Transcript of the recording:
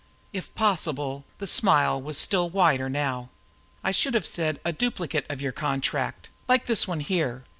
If possible, the smile was still wider now. "I should have said a duplicate of your contract like this one here."